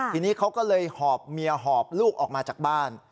ทีนี้เขาก็เลยหอบเมียหอบลูกออกมาจากบ้าน